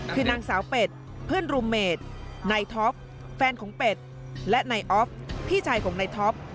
คือนางสาวเป็ดเพื่อนรูเมดนายท็อปแฟนของเป็ดและนายออฟพี่ชายของนายท็อป